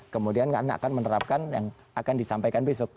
kemudian karena akan menerapkan yang akan disampaikan besok